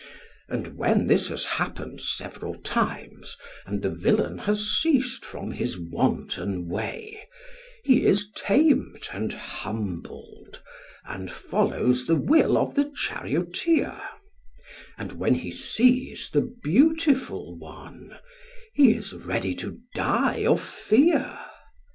And when this has happened several times and the villain has ceased from his wanton way, he is tamed and humbled, and follows the will of the charioteer, and when he sees the beautiful one he is ready to die of fear.